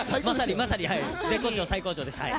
まさに絶好調、最高潮です。